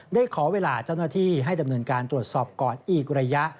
ได้ขอเวลาเจ้าหน้าที่ให้ดำเนินการตรวจสอบก่อนอีกระยะ